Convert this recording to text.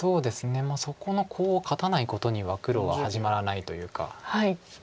そこのコウを勝たないことには黒は始まらないというか。